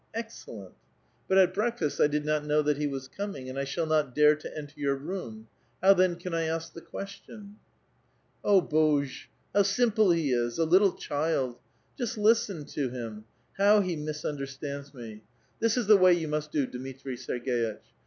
" Excellent ! But at breakfast I did not know that he was coming, and I shall not dare to enter your room ; how then can I ask the question ?" A VITAL QUESTION. 123 '^ Q hozhel how simple he is! a little child! Just listen to him ! How he misuuderstauds me ! This is the wa3' 3'ou must do, Dmitri Serg^itch.